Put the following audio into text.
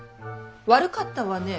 悪かったわね。